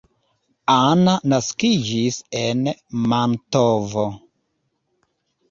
Anna naskiĝis en Mantovo.